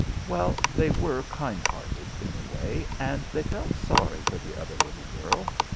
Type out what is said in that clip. Well, they were kind hearted, anyway, and they felt sorry for the other little girl.